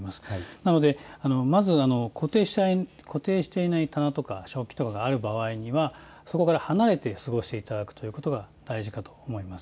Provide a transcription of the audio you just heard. なので、まず固定していない棚とか食器とかある場合にはそこから離れて過ごしていただくということが大事かと思います。